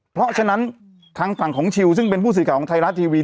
เพราะฉะนั้นทางฝั่งของชิลซึ่งเป็นผู้สื่อข่าวของไทยรัฐทีวี